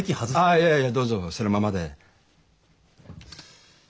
ああいやいやどうぞそのままで。